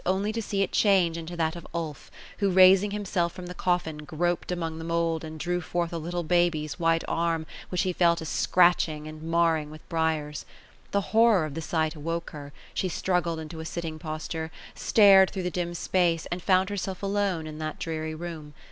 only to see it change into that of Ulf; who, raising himself from the cofiin, groped among the mould, and drew forth a little baby's white arm, which he fell to scratch ing and marring with briars. The horror of the sight awoke her; she struggled into a sitting posture, stared through the dim space, and found herself alone in that dreary room.